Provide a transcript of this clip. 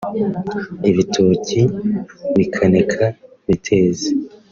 ibitoki bikaneka biteze